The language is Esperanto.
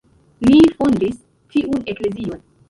Li fondis tiun eklezion.